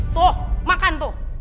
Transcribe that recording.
tuh makan tuh